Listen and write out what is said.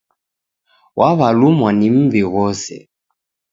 Waw'alumwa ni m'mbi ghose.